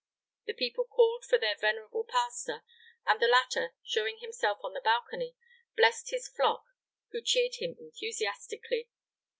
The people called for their venerable pastor, and the latter, showing himself on the balcony, blessed his flock, who cheered him enthusiastically.